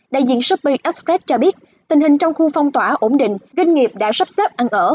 đại diện shopee express cho biết tình hình trong khu phong tỏa ổn định doanh nghiệp đã sắp xếp ăn ở